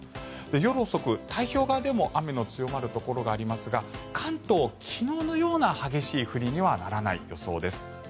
夜遅く、太平洋側でも雨の強まるところがありますが関東、昨日のような激しい降りにはならない予想です。